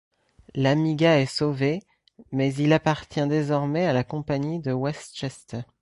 L'Amiga est sauvé mais il appartient désormais à la compagnie de West Chester.